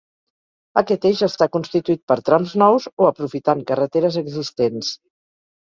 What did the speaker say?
Aquest eix està constituït per trams nous o aprofitant carreteres existents.